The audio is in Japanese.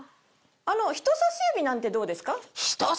人さし指なんてどうですか？